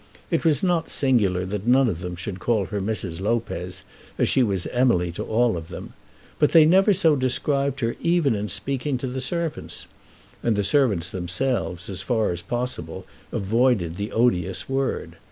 It was not singular that none of them should call her Mrs. Lopez, as she was Emily to all of them. But they never so described her even in speaking to the servants. And the servants themselves, as far as was possible, avoided the odious word.